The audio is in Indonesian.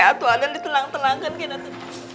aduh aden ditelang telangkan kan aduh